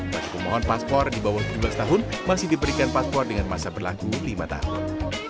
masih pemohon paspor di bawah tujuh belas tahun masih diberikan paspor dengan masa berlaku lima tahun